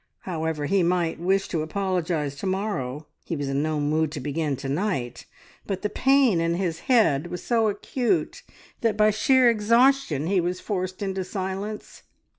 However he might wish to apologise to morrow, he was in no mood to begin to night, but the pain in his head was so acute that by sheer exhaustion he was forced into silence.